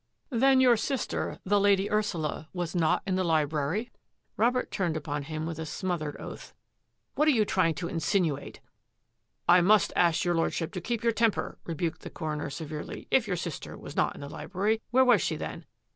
" Then your sister, the Lady Ursula, was not in the library? " Robert turned upon him with a smothered oath. " What are you trying to insinuate? "" I must ask your Lordship to keep your tem per," rebuked the coroner severely. " If your sister was not in the library, where was she then?"